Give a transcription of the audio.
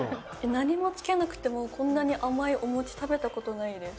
何もつけなくてもこんなに甘いおもち食べたことないです。